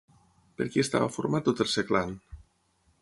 Per qui estava format el tercer clan?